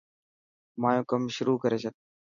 مايو ڪم شروح ڪري ڇڏ.